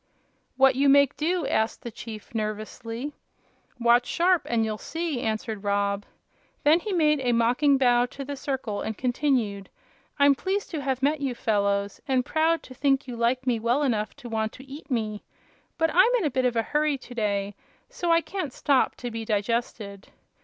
"What you make do?" asked the chief, nervously. "Watch sharp, and you'll see," answered Rob. Then he made a mocking bow to the circle and continued: "I'm pleased to have met you fellows, and proud to think you like me well enough to want to eat me; but I'm in a bit of a hurry to day, so I can't stop to be digested."